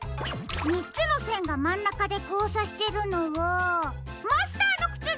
みっつのせんがまんなかでこうさしてるのはマスターのくつだ！